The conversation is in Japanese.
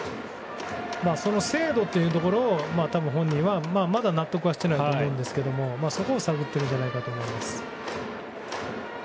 その精度というところを本人はまだ納得していないと思いますけどそこを探ってるんじゃないかと思います。